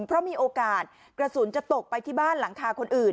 เพราะมีโอกาสกระสุนจะตกไปที่บ้านหลังคาคนอื่น